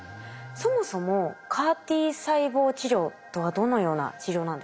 そもそもＣＡＲ−Ｔ細胞治療とはどのような治療なんですか？